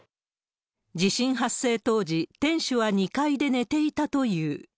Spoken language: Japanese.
地震発生当時、店主は２階で寝ていたという。